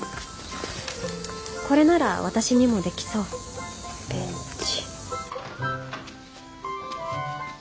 これなら私にもできそうベンチ。